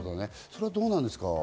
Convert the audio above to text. それはどうですか？